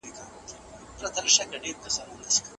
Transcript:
ملي هنداره واخلئ.